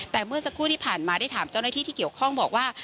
แต่เมื่อสักครู่ที่ผ่านมาได้ถามเจ้าหน้าที่ที่เกี่ยวข้องบอกว่า